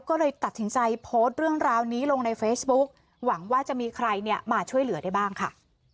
ก็เลยตัดสินใจโพสต์เรื่องราวนี้ลงในเฟซบุ๊กหวังว่าจะมีใครเนี่ยมาช่วยเหลือได้บ้างค่ะ